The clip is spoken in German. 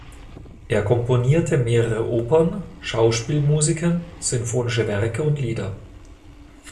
Er komponierte mehrere Opern, Schauspielmusiken, sinfonische Werke und Lieder.